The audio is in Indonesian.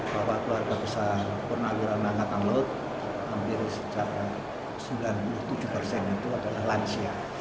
bahwa keluarga besar purnawiran angkatan laut hampir sembilan puluh tujuh persen itu adalah lansia